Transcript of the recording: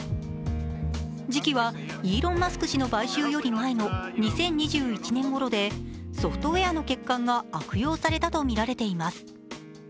時期は、イーロン・マスク氏の買収より前の２０２１年ごろでソフトウェアの欠陥が悪用されたとみられています。